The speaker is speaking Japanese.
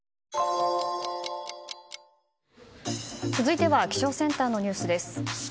続いては気象センターのニュースです。